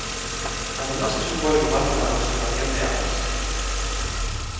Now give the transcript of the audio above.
Además es un buen lugar para la observación de aves.